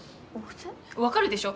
分かるでしょ？